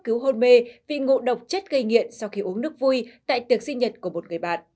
cứu hôn mê vì ngộ độc chất gây nghiện sau khi uống nước vui tại tiệc sinh nhật của một người bạn